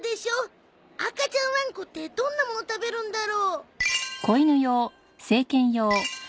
赤ちゃんワンコってどんなもの食べるんだろう？